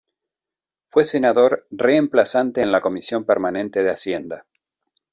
Fue senador reemplazante en la Comisión Permanente de Hacienda.